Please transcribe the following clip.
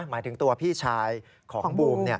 หมายถึงตัวพี่ชายของบูม